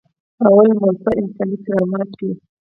لومړۍ مولفه انساني کرامت دی.